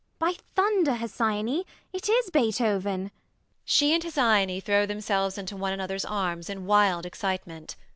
ELLIE. By thunder, Hesione: it is Beethoven. She and Hesione throw themselves into one another's arms in wild excitement.